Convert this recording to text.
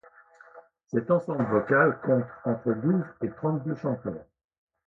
Cet ensemble vocal compte entre douze et trente-deux chanteurs.